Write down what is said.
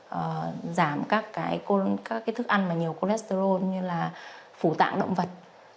và giảm các cái thức ăn mà nhiều cholesterol như là phủ tạng động vật